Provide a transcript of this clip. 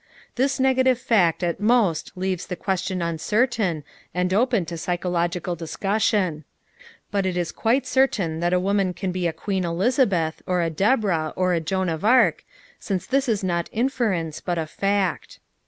This negative fact at most leaves the question uncertain and open to psychological discussion. But it is quite certain that a woman can be a Queen Elizabeth or a Deborah or a Joan of Arc, since this is not inference but a fact."